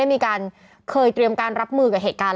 เขาไม่ได้มีการเคยเตรียมการรับมือกับเหตุการย์